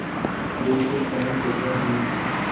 بالکل پانچ ہوتے ہیں